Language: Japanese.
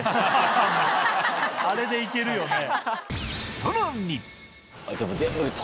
あれで行けるよね。